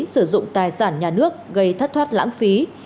sử dụng tài sản nhà nước gây thất thoát lãng phí